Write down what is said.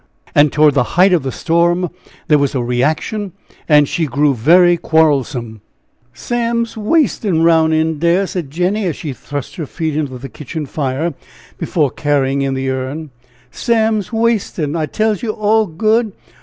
And toward the height of the storm, there was a reaction and she grew very quarrelsome. "Sam's waystin'[A] roun' in dere," said Jenny, as she thrust her feet into the kitchen fire, before carrying in the urn; "Sam's waystin', I tells you all good!